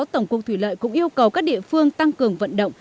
tổng cục thủy lợi cũng yêu cầu các địa phương tăng cường vận động